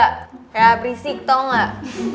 kayak berisik tau gak